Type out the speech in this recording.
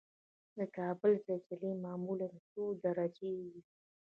د کابل زلزلې معمولا څو درجې وي؟